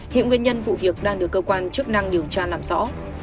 hiện nguyên nhân vụ việc đang được cơ quan chức năng điều tra làm rõ